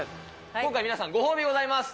今回、皆さん、ご褒美ございます。